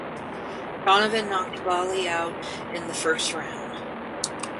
Donovan knocked Balli out in the first round.